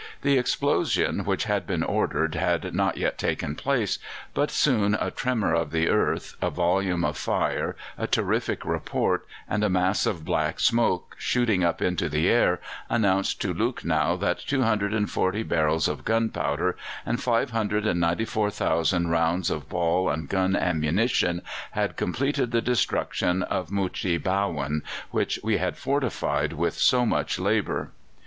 The explosion which had been ordered had not yet taken place, but soon a tremor of the earth, a volume of fire, a terrific report, and a mass of black smoke shooting up into the air announced to Lucknow that 240 barrels of gunpowder and 594,000 rounds of ball and gun ammunition had completed the destruction of Muchee Bhawun, which we had fortified with so much labour.